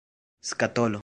skatolo